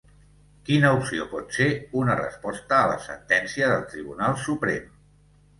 Quina opció pot ser una resposta a la sentència del Tribunal Suprem?